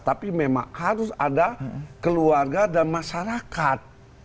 tapi memang harus ada keluarga dan masyarakat